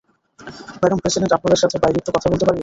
Madam president, আপনার সাথে বাইরে একটু বলতে পারি?